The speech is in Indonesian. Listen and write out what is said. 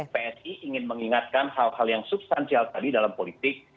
psi ingin mengingatkan hal hal yang substansial tadi dalam politik